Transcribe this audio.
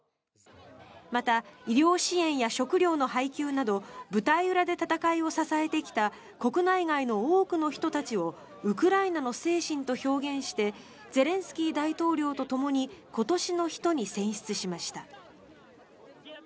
また医療支援や食料の配給など舞台裏で戦いを支えてきた国内外の多くの人たちをウクライナの精神と表現してゼレンスキー大統領とともに今年の人に選出しました。